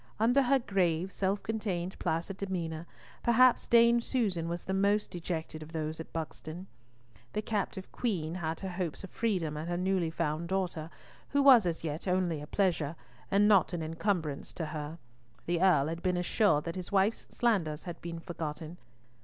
Under her grave, self contained placid demeanour, perhaps Dame Susan was the most dejected of those at Buxton. The captive Queen had her hopes of freedom and her newly found daughter, who was as yet only a pleasure, and not an encumbrance to her, the Earl had been assured that his wife's slanders had been forgotten.